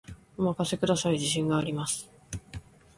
お任せください、自信があります